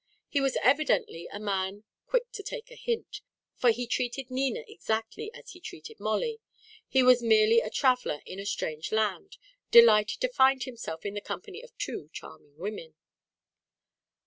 He was evidently a man quick to take a hint, for he treated Nina exactly as he treated Molly: he was merely a traveller in a strange land, delighted to find himself in the company of two charming women.